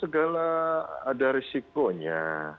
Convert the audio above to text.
kalau ada risikonya